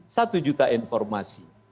satu juta informasi